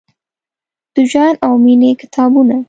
د ژوند او میینې کتابونه ،